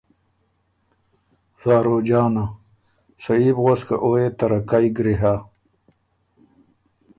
زاروجانه: سهي بو غؤس خه او يې ترکئ ګری هۀ،